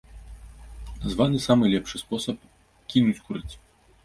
Названы самы лепшы спосаб кінуць курыць.